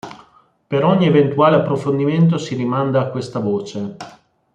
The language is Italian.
Per ogni eventuale approfondimento si rimanda a questa voce.